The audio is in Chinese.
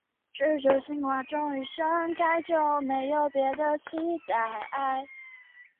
斡特懒返还回家。